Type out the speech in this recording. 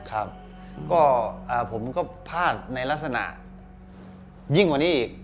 ครับก็ผมก็พลาดในลักษณะยิ่งกว่านี้อีก